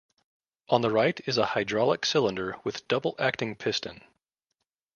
On the right is an hydraulic cylinder with double-acting piston.